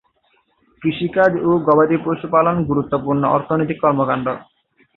কৃষিকাজ ও গবাদি পশু পালন গুরুত্বপূর্ণ অর্থনৈতিক কর্মকাণ্ড।